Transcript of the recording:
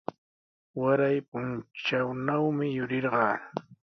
Waray puntrawnawmi yurirqaa.